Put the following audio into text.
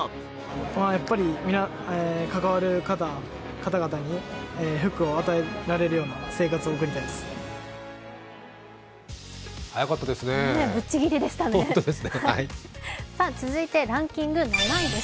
やっぱり皆、関わる方々に福を与えられるような生活を送りたいです。